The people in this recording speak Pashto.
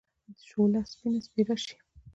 شوله! سپين سپيره شې.